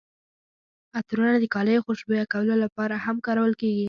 عطرونه د کالیو خوشبویه کولو لپاره هم کارول کیږي.